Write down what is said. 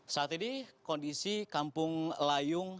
saat ini kondisi kampung layung